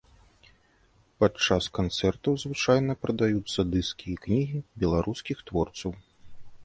Падчас канцэртаў звычайна прадаюцца дыскі і кнігі беларускіх творцаў.